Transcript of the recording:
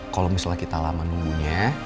kalau misalnya kita lama nunggunya